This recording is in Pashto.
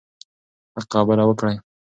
حق خبره وکړئ.